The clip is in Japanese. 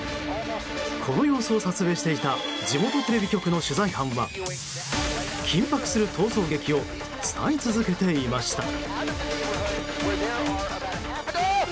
この様子を撮影していた地元テレビ局の取材班は緊迫する逃走劇を伝え続けていました。